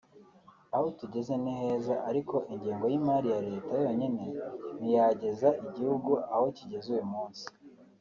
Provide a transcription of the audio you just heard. Aho tugeze ni heza ariko ingengo y’imari ya leta yonyine ntiyageza igihugu aho kigeze uyu munsi